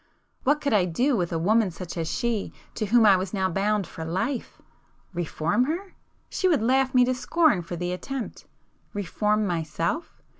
What could I do with a woman such as she to whom I was now bound for life? Reform her? She would laugh me to scorn for the attempt. Reform myself?